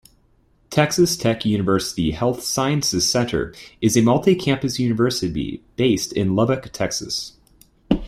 Texas Tech University Health Sciences Center is a multi-campus university based in Lubbock, Texas.